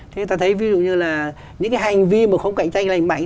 thế ta thấy ví dụ như là những hành vi mà không cạnh tranh là hành mạnh